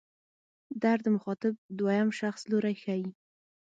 در د مخاطب دویم شخص لوری ښيي.